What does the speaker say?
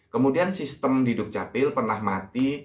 kemudian sistem di duk capil pernah mati